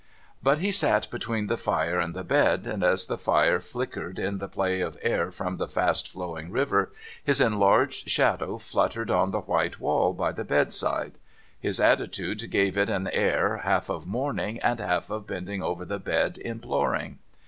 ]iut he sat between the fire and the bed, and, as the fire flickered in the play of air from the fast flowing river, his enlarged shadow fluttered on the white wall by the bedside. His attitude gave it an air, half of mourning and half of bending over the bed imploring.